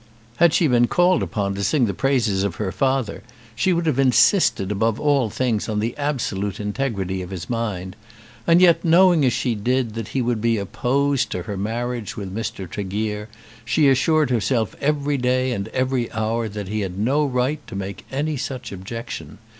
Had she been called upon to sing the praises of her father she would have insisted above all things on the absolute integrity of his mind, and yet, knowing as she did that he would be opposed to her marriage with Mr. Tregear, she assured herself every day and every hour that he had no right to make any such objection.